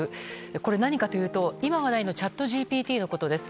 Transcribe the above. これ、何かというと今、話題のチャットＧＰＴのことです。